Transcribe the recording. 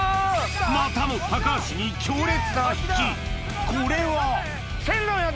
またも高橋に強烈な引きこれはあ！